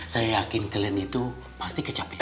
saya yakin kalian itu pasti kecapekan